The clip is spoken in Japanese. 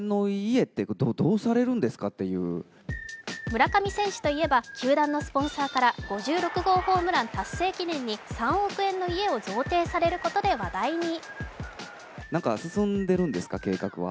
村上選手といえば、球団のスポンサーから５６号ホームラン達成記念に３億円の家を贈呈されることで話題に。